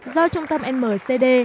do trung tâm mcd